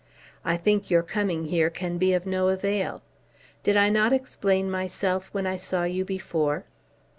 "I think your coming here can be of no avail. Did I not explain myself when I saw you before?"